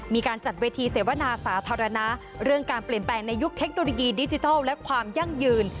มีการจัดเวทีเสวนาสาธารณะเรื่องการเปลี่ยนแปลงในยุคเทคโนโลยีดิจิทัลและความยั่งยืน